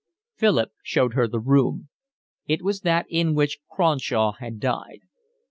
Philip showed her the room. It was that in which Cronshaw had died.